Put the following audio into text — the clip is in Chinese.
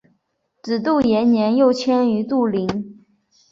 子杜延年又迁于杜陵。